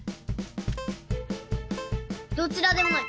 どちらでもない！